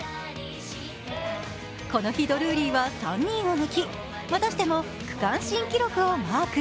この日、ドルーリーは３人を抜きまたしても区間新記録をマーク。